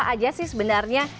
siapa aja sih sebenarnya